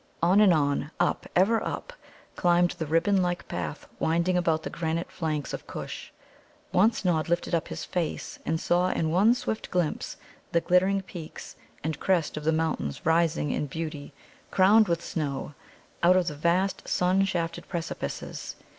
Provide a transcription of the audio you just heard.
On and on, up, ever up, climbed the ribbon like path winding about the granite flanks of Kush. Once Nod lifted up his face, and saw in one swift glimpse the glittering peaks and crest of the mountains rising in beauty, crowned with snow, out of the vast sun shafted precipices.